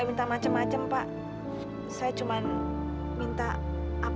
ini adalah tempat yang paling menyenangkan